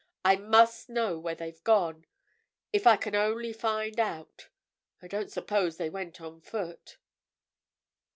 I must know where they've gone—if I can only find out. I don't suppose they went on foot."